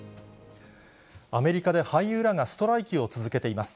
アメリカで俳優らがストライキを続けています。